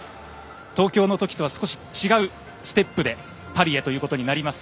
東京の時とは少し違うステップでパリへとなります。